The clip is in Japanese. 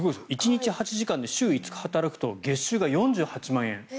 １日８時間で週５日働くと月収が４８万円。